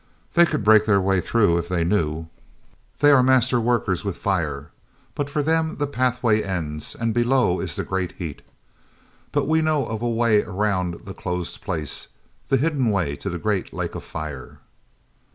They could break their way through if they knew—they are master workers with fire—but for them the Pathway ends, and below is the great heat. But we know of a way around the closed place, the hidden way to the great Lake of Fire."